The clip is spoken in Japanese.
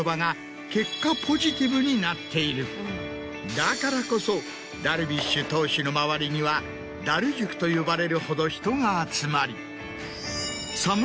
だからこそダルビッシュ投手の周りにはダル塾と呼ばれるほど人が集まり。